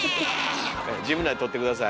自分らで取って下さい。